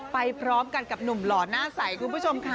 พร้อมกันกับหนุ่มหล่อหน้าใสคุณผู้ชมค่ะ